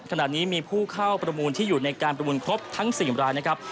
ขณะนี้มีผู้เข้าประมูลที่อยู่ในการประมูลครบทั้ง๔รายนะครับ